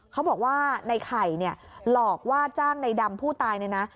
เขาบอกว่าในไข่เนี่ยหลอกว่าจ้างในดำผู้ตายเนี่ยนะ